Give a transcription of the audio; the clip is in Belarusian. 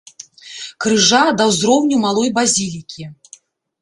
Крыжа да ўзроўню малой базілікі.